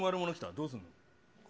どうすんの？